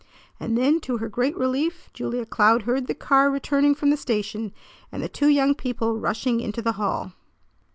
And then to her great relief Julia Cloud heard the car returning from the station, and the two young people rushing into the hall.